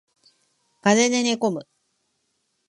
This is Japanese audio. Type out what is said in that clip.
風邪で寝込む